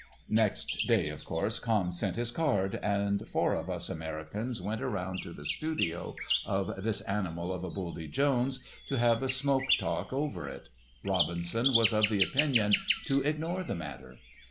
Next day, of course, Camme sent his card, and four of us Americans went around to the studio of "This Animal of a Buldy Jones" to have a smoke talk over it. Robinson was of the opinion to ignore the matter.